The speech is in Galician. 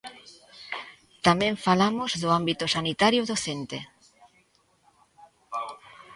Tamén falamos do ámbito sanitario e docente.